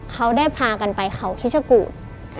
เขาได้พากันไปเขาคิชกูธ